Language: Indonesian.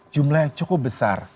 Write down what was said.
jumlah yang cukup besar